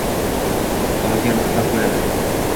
stolga “mixlab” qo’yadi.